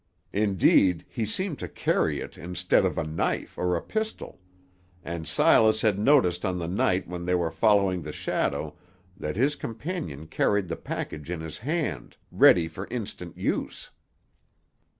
Indeed, he seemed to carry it instead of a knife or a pistol; and Silas had noticed on the night when they were following the shadow that his companion carried the package in his hand, ready for instant use.